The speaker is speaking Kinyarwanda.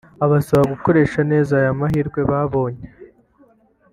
abasaba gukoresha neza aya mahirwe babonye